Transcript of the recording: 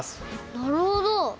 なるほど。